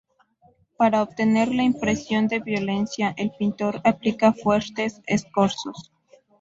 Para obtener la impresión de violencia, el pintor aplica fuertes escorzos.